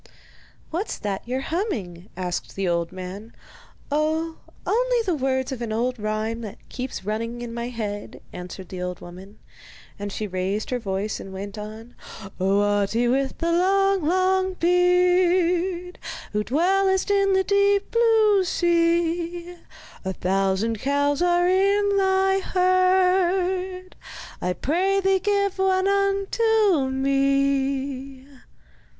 'What's that you're humming?' asked the old man. 'Oh, only the words of an old rhyme that keeps running in my head,' answered the old woman; and she raised her voice and went on: Oh, Ahti, with the long, long beard, Who dwellest in the deep blue sea, A thousand cows are in thy herd, I pray thee give one onto me.